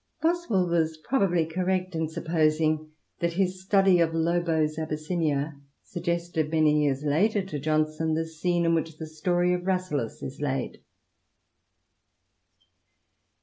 Bos well was probably correct in supposing that his study of Lobo'a Abytsinia suggested, many years later, to Johnson the scene in which the story of Rasselas is laid.